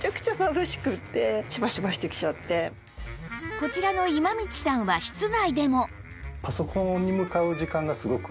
こちらの今道さんは室内でも